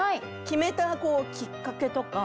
決めたこうきっかけとか。